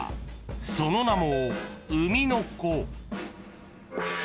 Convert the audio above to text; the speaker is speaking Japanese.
［その名も］